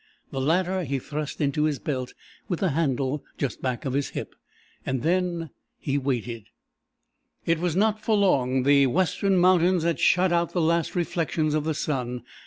The latter he thrust into his belt with the handle just back of his hip. Then he waited. It was not for long. The western mountains had shut out the last reflections of the sun.